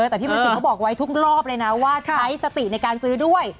แต่ที่เมื่อกี้เขาบอกไว้ทุกรอบเลยนะว่าใช้สติในการซื้อด้วย